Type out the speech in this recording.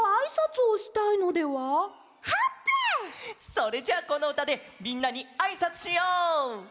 それじゃあこのうたでみんなにあいさつしよう！